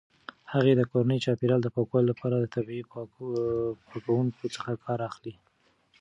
هغې د کورني چاپیریال د پاکوالي لپاره د طبیعي پاکونکو څخه کار اخلي.